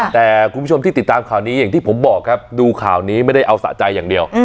แต่คุณผู้ชมที่ติดตามข่าวนี้อย่างที่ผมบอกครับดูข่าวนี้ไม่ได้เอาสะใจอย่างเดียว